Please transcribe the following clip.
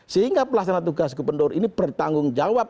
sehingga pelaksana tugas gubernur ini bertanggung jawab